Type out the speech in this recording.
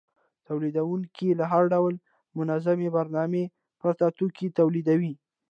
تولیدونکي له هر ډول منظمې برنامې پرته توکي تولیدوي